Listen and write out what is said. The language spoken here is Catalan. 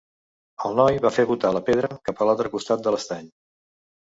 El noi va fer botar la pedra cap a l'altre costat de l'estany.